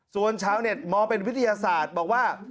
ส่วนชาวเน็ตมองเป็นวิทยาศาสตร์บอกว่า